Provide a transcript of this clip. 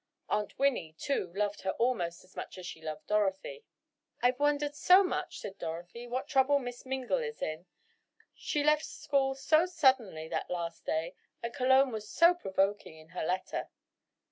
Aunt Winnie, too, loved her almost as much as she loved Dorothy. "I've wondered so much," said Dorothy, "what trouble Miss Mingle is in. She left school so suddenly that last day, and Cologne was so provoking in her letter."